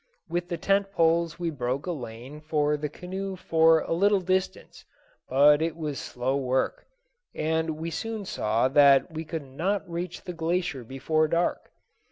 With the tent poles we broke a lane for the canoe for a little distance; but it was slow work, and we soon saw that we could not reach the glacier before dark.